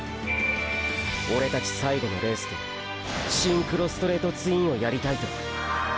オレたち最後のレースでシンクロストレートツインをやりたいと。